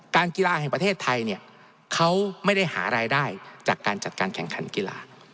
กีฬาแห่งประเทศไทยเนี่ยเขาไม่ได้หารายได้จากการจัดการแข่งขันกีฬา